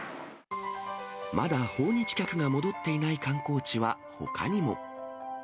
まだ訪日客が戻っていない観光地はほかにも。